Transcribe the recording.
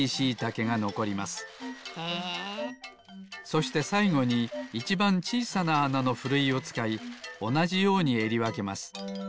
そしてさいごにいちばんちいさなあなのふるいをつかいおなじようにえりわけます。